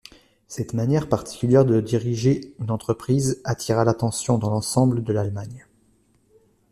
Cette manière particulière de diriger une entreprise attira l'attention dans l'ensemble de l'Allemagne.